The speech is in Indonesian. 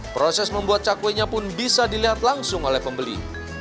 proses membuat cakwenya pun bisa dilihat langsung oleh pembeli